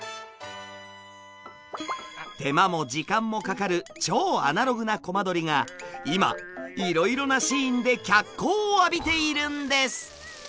手間も時間もかかる超アナログなコマ撮りが今いろいろなシーンで脚光を浴びているんです！